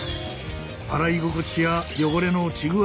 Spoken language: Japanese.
洗い心地や汚れの落ち具合